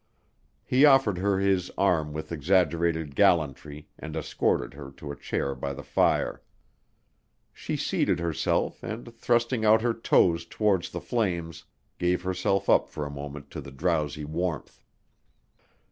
He offered her his arm with exaggerated gallantry and escorted her to a chair by the fire. She seated herself and, thrusting out her toes towards the flames, gave herself up for a moment to the drowsy warmth.